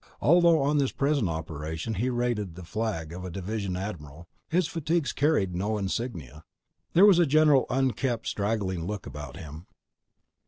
Although on this present operation he rated the flag of a division admiral, his fatigues carried no insignia. There was a general unkempt, straggling look about him.